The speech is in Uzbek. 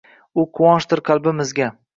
U quvonchdir qalbimizga